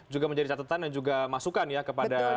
juga menjadi catatan dan juga masukan ya kepada